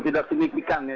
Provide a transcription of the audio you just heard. tidak sedikitkan ya